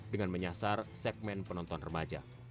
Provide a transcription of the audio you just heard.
dengan menyasar segmen penonton remaja